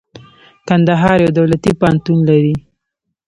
کندهار يو دولتي پوهنتون لري.